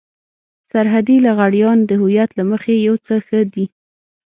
سرحدي لغړيان د هويت له مخې يو څه ښه دي.